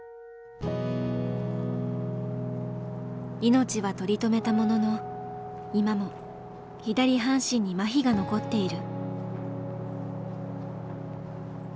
命は取り留めたものの今も左半身にまひが残っている。